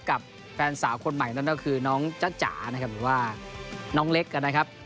กับแฟนสาวคนใหม่นั่นก็คือน้องจ๊ะจ๋านะครับหรือว่าน้องเล็กนะครับ